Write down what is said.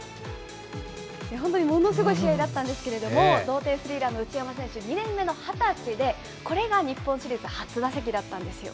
本当にものすごい試合だったんですけれども、同点スリーランの内山選手、２年目の２０歳で、これが日本シリーズ初打席だったんですよ。